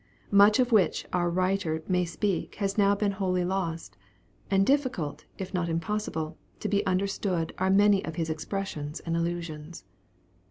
Much of which our writer may speak has now been wholly lost; and difficult, if not impossible, to be understood are many of his expressions and allusions.